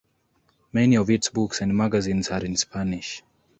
Many of its books and magazines are in Spanish.